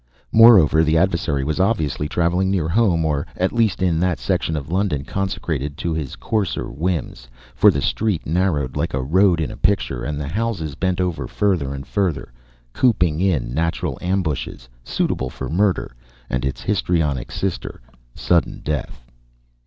Moreover, the adversary was obviously travelling near home or at least in that section of London consecrated to his coarser whims, for the street narrowed like a road in a picture and the houses bent over further and further, cooping in natural ambushes suitable for murder and its histrionic sister, sudden death.